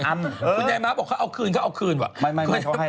คุณแดนมาบอกเค้าเอาคืนว่ะเค้าให้เลยเอาคืนอะไร